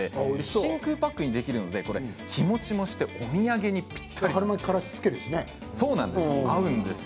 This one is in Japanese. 真空パックにできるので日もちもしてお土産にぴったりなんです。